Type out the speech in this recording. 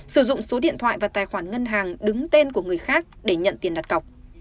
sử dụng số điện thoại và tài khoản ngân hàng đứng tên của người khác để nhận tiền đặt cọc